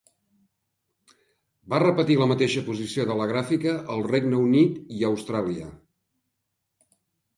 Va repetir la mateixa posició de la gràfica al Regne Unit i a Austràlia.